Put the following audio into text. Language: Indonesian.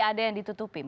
ada yang ditutupi